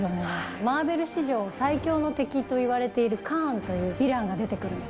マーベル史上最凶の敵といわれているカーンというヴィランが出てくるんです。